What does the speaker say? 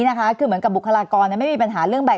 นะคะคือเหมือนกับบุคลกมเนี่ยไม่มีปัญหาเรื่องใบ